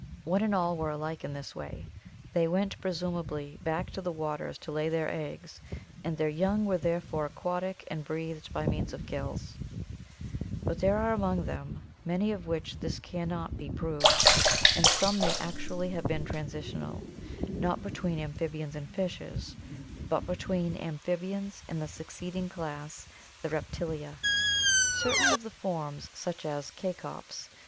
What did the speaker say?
One and all were alike in this — they went, presumably, back to the waters to lay thetr eggs, and their young were therefore aquatic and breathed by means of gills (see Fig. 145). But there arc among them many of which this can not be proved and some may actually have been transitional, not between amphibians and fishes, but between amphibians and the succeeding class, the Reptilia. Cer EMERGENCE OF TERRESTRIAL VERTEBRATES 493 tain of the forms, such as Cacops (Fig.